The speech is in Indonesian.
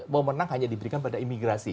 mau menang hanya diberikan pada imigrasi